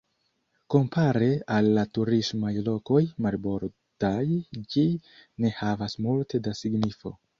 Kompare al la turismaj lokoj marbordaj ĝi ne havas multe da signifo.